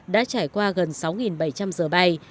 đã trải qua gần sáu bảy trăm linh giờ bay